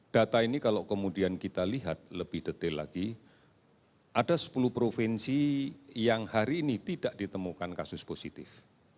data ini kalau kemudian kita lihat lebih detail lagi ada sepuluh provinsi yang hari ini tidak ditemukan kasus positif